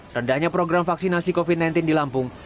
rendahnya program vaksinasi covid sembilan belas di lampung